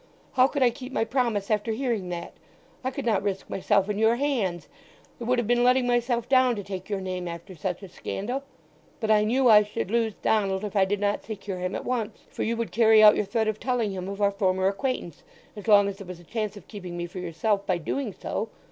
How could I keep my promise after hearing that? I could not risk myself in your hands; it would have been letting myself down to take your name after such a scandal. But I knew I should lose Donald if I did not secure him at once—for you would carry out your threat of telling him of our former acquaintance, as long as there was a chance of keeping me for yourself by doing so.